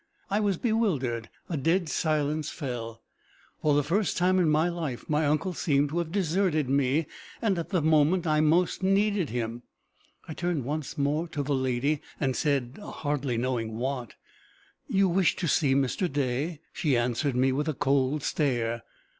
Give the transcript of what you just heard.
I was bewildered. A dead silence fell. For the first time in my life, my uncle seemed to have deserted me, and at the moment when most I needed him! I turned once more to the lady, and said, hardly knowing what, "You wish to see Mr. Day?" She answered me with a cold stare.